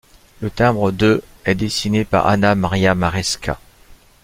Le timbre de est dessiné par Anna Maria Maresca.